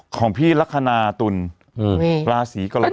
ของพี่ลักษณาตุ่นราศีกละปด